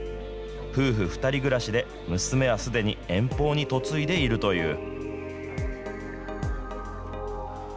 夫婦２人暮らしで、娘はすでに遠方に嫁いでいるという。